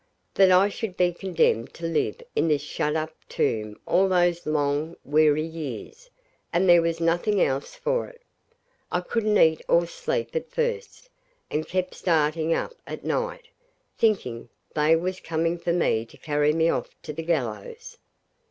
That I should be condemned to live in this shut up tomb all those long, weary years, and there was nothing else for it. I couldn't eat or sleep at first, and kept starting up at night, thinking they was coming for me to carry me off to the gallows.